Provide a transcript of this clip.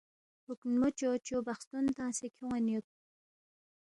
ہُوکھنمو چوچو بخستون تنگسے کھیون٘ین یود